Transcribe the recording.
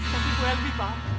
tapi bu elvi pak